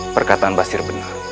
perkataan basir benar